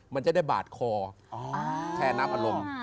มันจะได้บาดคอแชร์น้ำอารมณ์